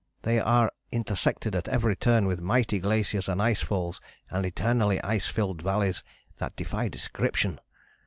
They are intersected at every turn with mighty glaciers and ice falls and eternally ice filled valleys that defy description.